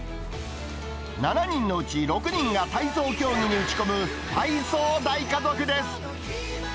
７人のうち６人が体操競技に打ち込む体操大家族です。